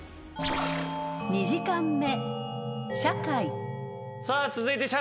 ［２時間目］